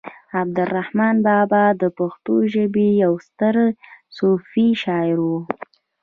عبد الرحمان بابا د پښتو ژبې يو ستر صوفي شاعر و